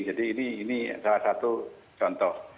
jadi ini salah satu contoh